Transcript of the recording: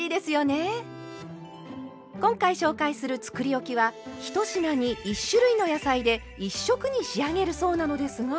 今回紹介するつくりおきは１品に１種類の野菜で１色に仕上げるそうなのですが。